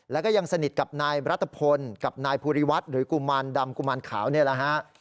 แล้วก็ยังสนิทกับนายรัฐพลกับนายภูริวัฒน์หรือกุมารดำกุมารขาวนี่แหละฮะ